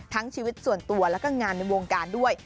ชีวิตส่วนตัวแล้วก็งานในวงการด้วย